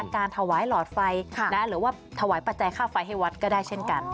การถวายหลอดไฟหรือว่าถวายปัจจัยค่าไฟให้วัดก็ได้เช่นกัน